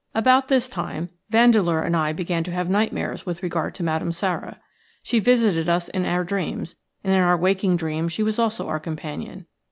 About this time Vandeleur and I began to have nightmares with regard to Madame Sara. She visited us in our dreams, and in our waking dreams she was also our companion.